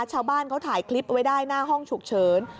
ชาวบ้านเขาถ่ายคลิปไว้ได้หน้าห้องฉุกเฉิน